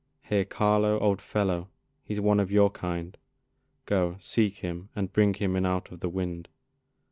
Here, Carlo, old fellow, he's one of your kind, Go, seek him, and bring him in out of the wind.